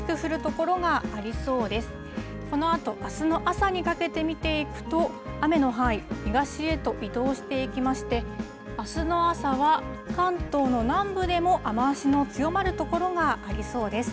このあと、あすの朝にかけて見ていくと、雨の範囲、東へと移動していきまして、あすの朝は関東の南部でも雨足の強まる所がありそうです。